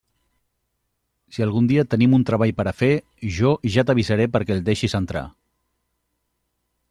Si algun dia tenim un treball per a fer, jo ja t'avisaré perquè el deixes entrar.